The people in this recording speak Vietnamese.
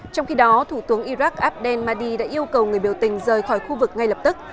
trong khi đó thủ tướng iraq abdel mahdi đã yêu cầu người biểu tình rời khỏi khu vực ngay lập tức